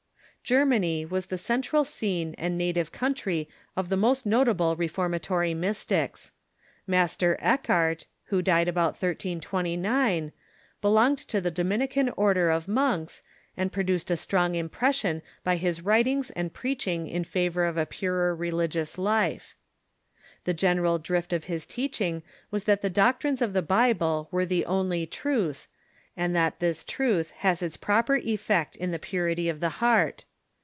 Germany was the central scene and native country of the most notable reformatory Mystics. Master Eckart, who died about 1329, belonged to the Dominican Order of Germany the ^^oui^g and produced a strong impression by his Central Scene '' r t writings and preaching in favor of a purer relig ious life. The general drift of his teaching was that the doc trines of the Bible are the only truth, and that this truth has its proper effect in the purity of the heart.